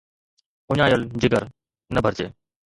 اُڃايل جگر، نه ڀرجي